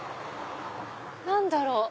何だろう？